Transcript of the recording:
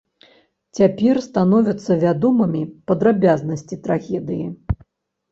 Цяпер становяцца вядомымі падрабязнасці трагедыі.